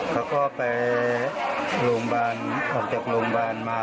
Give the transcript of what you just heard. เขาก็ไปโรงพยาบาลออกจากโรงพยาบาลมา